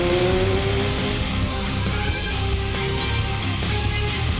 maafin ya saya koper